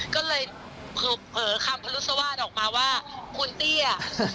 ก็เลยเผลอคำพรุษวาสออกมาว่าคุณเตี้ย